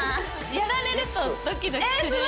やられるとドキドキするよ。